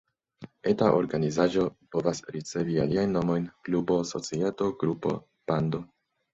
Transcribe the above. Eta organizaĵo povas ricevi aliajn nomojn: klubo, societo, grupo, bando.